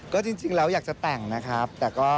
ก็จริงแล้วอยากจะแต่งนะครับแต่ก็